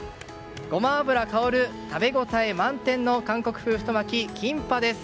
ごま油香る食べ応え満点の韓国風太巻きキンパです。